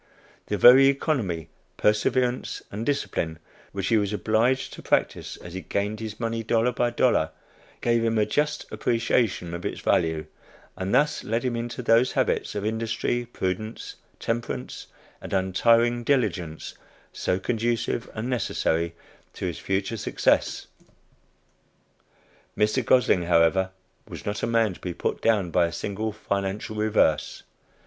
The very economy, perseverance, and discipline which he was obliged to practice, as he gained his money dollar by dollar, gave him a just appreciation of its value, and thus led him into those habits of industry, prudence, temperance, and untiring diligence so conducive and necessary to his future success. Mr. Gosling, however, was not a man to be put down by a single financial reverse.